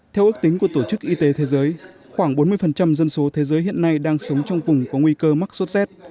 theo ước tính của tổ chức y tế thế giới khoảng bốn mươi dân số thế giới hiện nay đang sống trong vùng có nguy cơ mắc sốt z